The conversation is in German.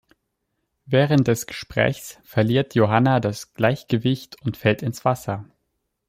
Während des Gesprächs verliert Johanna das Gleichgewicht und fällt ins Wasser.